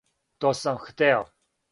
То сам хтео?